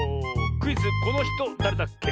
クイズ「このひとだれだっけ？」